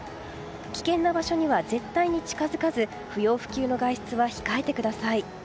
危険な場所には絶対に近づかず不要不急の外出は控えてください。